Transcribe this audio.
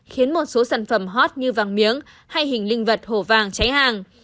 khiến một số sản phẩm hot như vàng miếng hay hình linh vật hồ vàng cháy hàng